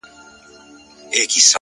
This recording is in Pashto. په ګډا سروي